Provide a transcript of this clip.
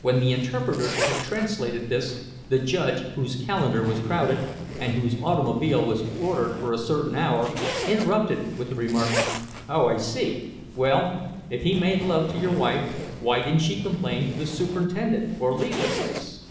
When the interpreter had translated this, the judge, whose calendar was crowded, and whose automobile was ordered for a certain hour, interrupted with the remark: "Oh, I see. Well, if he made love to your wife, why didn't she complain to the superintendent or leave the place?"